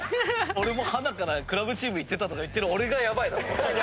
はなからクラブチーム行ってたとか言ってる俺がヤバいだろ。